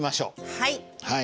はい。